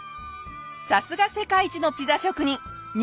さすが世界一のピザ職人！